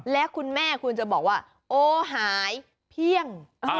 และคุณแม่คุณจะบอกว่าโอ้หายเพียง